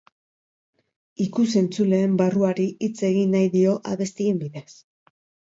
Ikusentzuleen barruari hitz egin nahi dio abestien bidez.